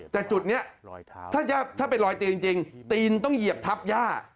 แต่จุดนี้ถ้าเป็นรอยตีนจริงตีนต้องเหยียบทับย่า